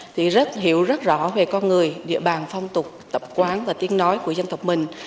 thì rất hiểu rất rõ về con người địa bàn phong tục tập quán và tiếng nói của dân tộc mình